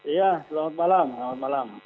iya selamat malam